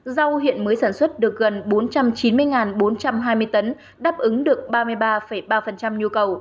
rau hiện mới sản xuất được gần bốn trăm chín mươi bốn trăm hai mươi tấn đáp ứng được ba mươi ba ba nhu cầu